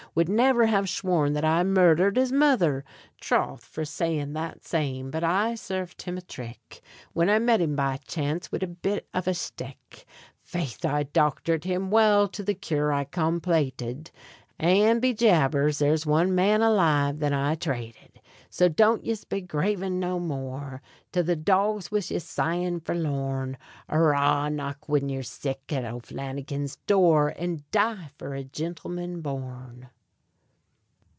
Would niver have shworn that I murdhered his mither. Troth, for sayin' that same, but I served him a thrick, Whin I met him by chance wid a bit av a shtick. Faith, I dochthered him well till the cure I complated, And, be jabers! there's one man alive that I thrated! So don't yez be gravin' no more; To the dogs wid yez sighin' forlorn! Arrah! knock whin ye're sick at O'Flannigan's door, And die for a gintleman born!